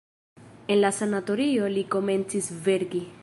En la sanatorio li komencis verki.